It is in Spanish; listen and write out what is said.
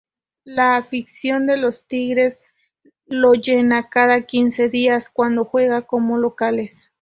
La afición de los Tigres lo llena cada quince días cuando juegan como locales.